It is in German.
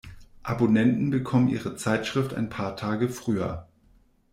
Abonnenten bekommen ihre Zeitschrift ein paar Tage früher.